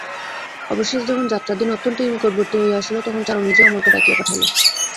অবশেষে যখন যাত্রার দিন অত্যন্ত নিকটবর্তী হইয়া আসিল তখন চারু নিজেই অমলকে ডাকিয়া পাঠাইল।